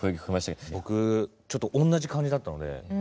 僕、同じ感じだったので。